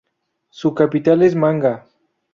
Su capital es Manga.